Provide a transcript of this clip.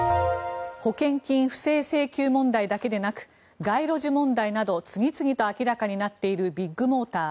保険金不正請求問題だけでなく街路樹問題など次々と明らかになっているビッグモーター。